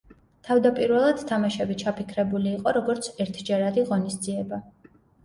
თავდაპირველად თამაშები ჩაფიქრებული იყო როგორც ერთჯერადი ღონისძიება.